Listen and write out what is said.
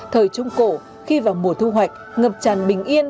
thời trung cổ khi vào mùa thu hoạch ngập tràn bình yên